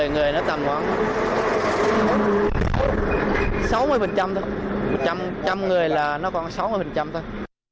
một mươi người nó tầm khoảng sáu mươi thôi một trăm linh người là nó còn sáu mươi thôi